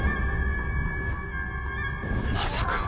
まさか。